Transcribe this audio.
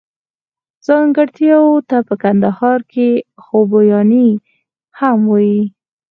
ځانګړتياوو ته په کندهار کښي خوباياني هم وايي.